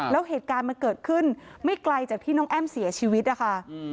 แล้วเหตุการณ์มันเกิดขึ้นไม่ไกลจากที่น้องแอ้มเสียชีวิตนะคะ